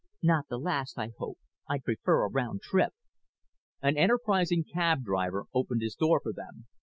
"Not the last, I hope. I'd prefer a round trip." An enterprising cab driver opened his door for them.